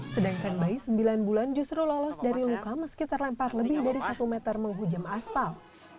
sedangkan bayi sembilan bulan justru lolos dari luka meski terlempar lebih dari satu meter menghujam aspal